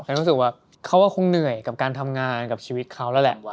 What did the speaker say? รู้สึกว่าเขาก็คงเหนื่อยกับการทำงานกับชีวิตเขาแล้วแหละ